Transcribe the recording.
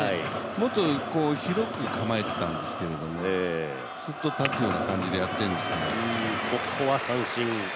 もっと広く構えていたんですけどスッと立つような感じでやってるんですけど。